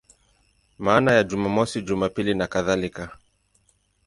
Maana ya Jumamosi, Jumapili nakadhalika.